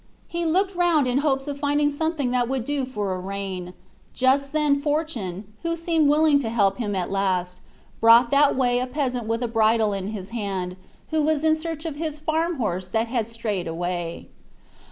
He looked round in hopes of finding something that would do for a rein. Just then fortune, who seemed willing to help him at last, brought that way a peasant with a bridle in his hand, who was in search of his farm horse that had strayed away.